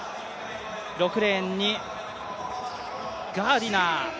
６レーンにガーディナー。